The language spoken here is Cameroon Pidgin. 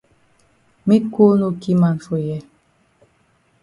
Make cold no ki man for here.